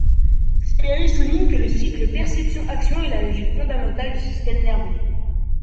Sperry souligne que le cycle perception-action est la logique fondamentale du système nerveux.